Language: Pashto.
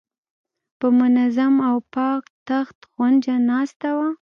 په منظم او پاک تخت غونجه ناسته وه.